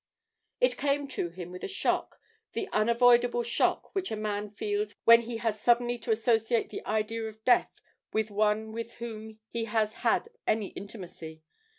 It came to him with a shock, the unavoidable shock which a man feels when he has suddenly to associate the idea of death with one with whom he has had any intimacy.